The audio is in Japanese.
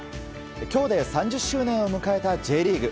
今日で３０周年を迎えたＪリーグ。